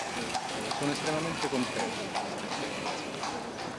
Sono estremamente contento di questa esperienza.